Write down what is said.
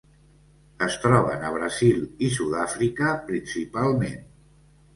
Es troben a Brasil i Sud-àfrica, principalment.